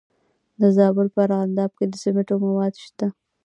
د زابل په ارغنداب کې د سمنټو مواد شته.